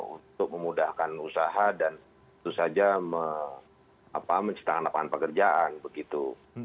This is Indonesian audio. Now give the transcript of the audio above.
untuk memudahkan usaha dan itu saja menciptakan lapangan pekerjaan begitu